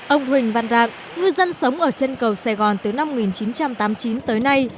ông huỳnh văn rạng ngư dân sống ở chân cầu sài gòn từ năm một nghìn chín trăm tám mươi chín tới nay